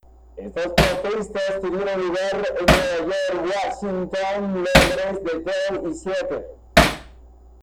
Estas protestas tuvieron lugar en Nueva York, Washington, Londres, Detroit y Seattle.